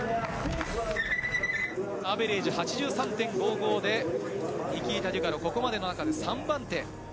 アベレージ８３．５５で、ニキータ・デュカロ、ここまでの中で３番手。